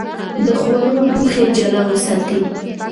د خوړو لوښي جلا وساتئ.